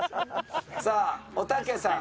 さあおたけさん。